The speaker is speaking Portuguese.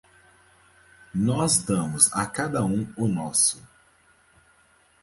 Nós damos a cada um o nosso.